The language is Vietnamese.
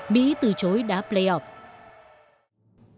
mỹ từ chối đá playoff với mỹ